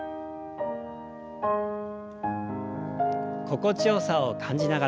心地よさを感じながら。